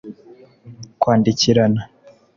kwandikirana